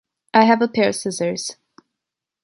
I have a pair of scissors.